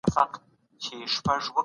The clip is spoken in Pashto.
ټولنپوهان د پدیدو ریې لټوي.